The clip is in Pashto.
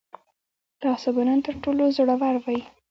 تاسو به نن تر ټولو زړور وئ.